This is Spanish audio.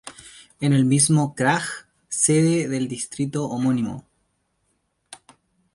En el mismo kraj cede del distrito homónimo.